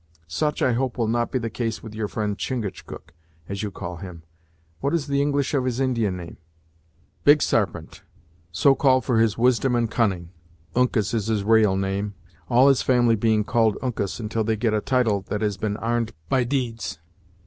"Such I hope will not be the case with your friend Chingachgook, as you call him what is the English of his Indian name?" "Big Sarpent so called for his wisdom and cunning, Uncas is his ra'al name all his family being called Uncas until they get a title that has been 'arned by deeds."